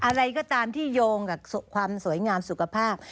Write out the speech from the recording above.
อะไรก็ตามที่โยงกับความสวยงามสุขภาพ